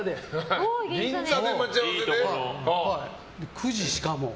９時、しかも。